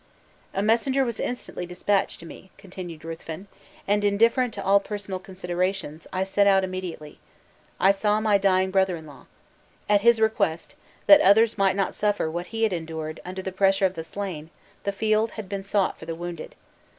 "A messenger was instantly dispatched to me," continued Ruthven; "and, indifferent to all personal considerations, I set out immediately. I saw my dying brother in law. At his request, that others might not suffer what he had endured under the pressure of the slain, the field had been sought for the wounded.